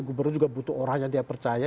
gubernur juga butuh orang yang dia percaya